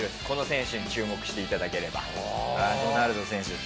この選手に注目していただければ。